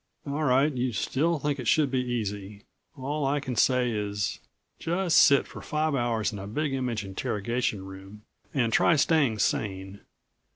All right, you still think it should be easy. All I can say is ... just sit for five hours in a Big Image interrogation room and try staying sane.